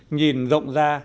nhìn rộng ra